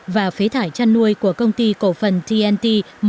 và phế thải chăn nuôi của công ty cổ phần tnt một trăm năm mươi chín